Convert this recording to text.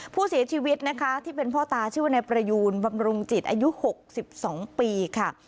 ผู้เสียชีวิตนะคะที่เป็นพ่อตาชื่อว่านายประยูนบำรุงจิตอายุ๖๒ปีค่ะ